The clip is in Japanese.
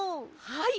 はい。